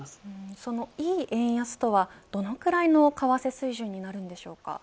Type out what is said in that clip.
そのいい円安とはどのくらいの為替水準になるんでしょうか。